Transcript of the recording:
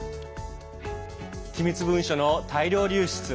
機密文書の大量流出。